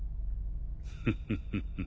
フフフフ。